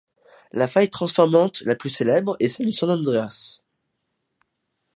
La faille transformante la plus célèbre est celle de San-Andreas.